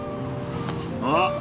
あっ！